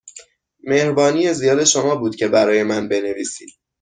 مهربانی زیاد شما بود که برای من بنویسید.